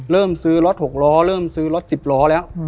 เริ่มซื้อรถ๖ล้อเริ่มซื้อรถ๑๐ล้อแล้ว